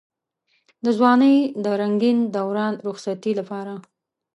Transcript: د ځوانۍ د رنګين دوران رخصتۍ لپاره.